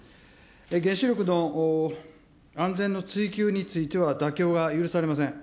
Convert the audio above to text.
原子力の安全の追求については、妥協は許されません。